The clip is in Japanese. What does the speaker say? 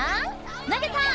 投げた！